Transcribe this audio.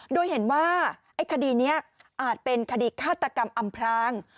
โดยเห็นว่าไอ้คดีนี้อาจเป็นคดีฆาตกรรมอำพราง